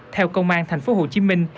theo công an thành phố hồ chí minh